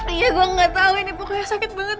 iya gua nggak tau ini pokoknya sakit banget